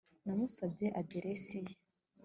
Namusabye aderesi ye